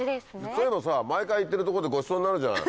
そういえばさ毎回行ってるとこでごちそうになるじゃない。